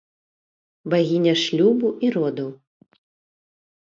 Багіня шлюбу і родаў.